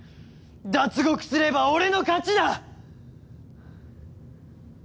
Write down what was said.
脱獄すれば俺の勝ちだ！